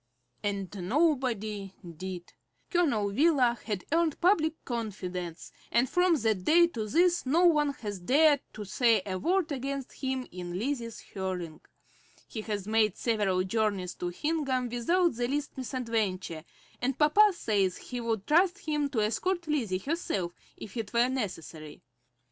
And nobody did. Colonel Wheeler had earned public confidence, and from that day to this no one has dared to say a word against him in Lizzie's hearing. He has made several journeys to Hingham without the least misadventure, and papa says he would trust him to escort Lizzie herself if it were necessary.